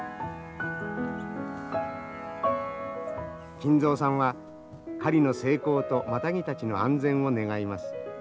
金蔵さんは狩りの成功とマタギたちの安全を願います。